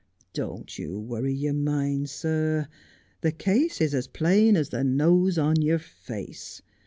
Don't you worry your mind, sir. The case is as plain as the nose on your face.